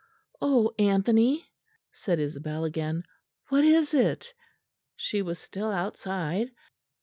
"Oh, Anthony!" said Isabel again, "what is it?" She was still outside.